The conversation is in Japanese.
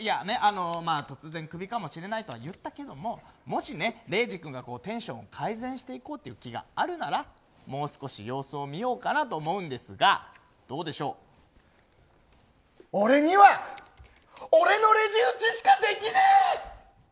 突然クビかもしれないとは言ったけどももし、れいじ君がテンションを改善していこうという気があるなら、もう少し様子を見ようかなと思うんですが俺には俺のレジ打ちしかできねえ！